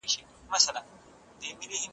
ته ولې دا ښکلي ګلان له بوټو شوکوې؟